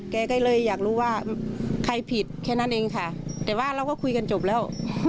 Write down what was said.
แกก็เลยอยากรู้ว่าใครผิดแค่นั้นเองค่ะแต่ว่าเราก็คุยกันจบแล้ว